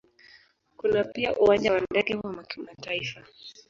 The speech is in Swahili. Kuna pia Uwanja wa ndege wa kimataifa.